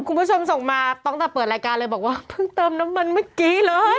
คุณผู้ชมส่งมาตั้งแต่เปิดรายการเลยบอกว่าเพิ่งเติมน้ำมันเมื่อกี้เลย